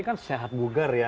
kan sehat bugar ya